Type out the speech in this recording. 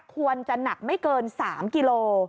ควรจะหนักไม่เกิน๓กิโล